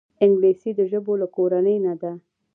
انګلیسي د ژبو له کورنۍ نه ده